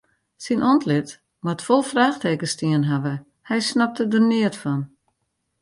Syn antlit moat fol fraachtekens stien hawwe, hy snapte der neat fan.